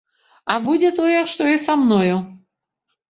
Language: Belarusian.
А будзе тое, што і са мною!